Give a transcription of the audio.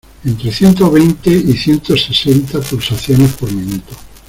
entre ciento veinte y ciento sesenta pulsaciones por minuto.